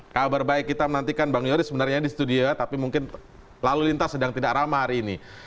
kabar baik kita menantikan bang yoris sebenarnya di studio tapi mungkin lalu lintas sedang tidak ramah hari ini